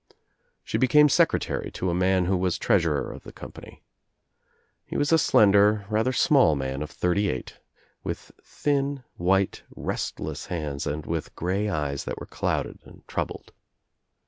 She became secretary to a man who i was treasurer of the company. He was a slender, i rather small man of thirty eight with thin white rest less hands and with gray eyes that were clouded and troubled.